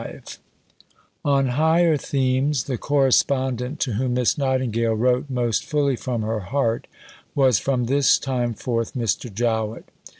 V On higher themes the correspondent to whom Miss Nightingale wrote most fully from her heart was from this time forth Mr. Jowett.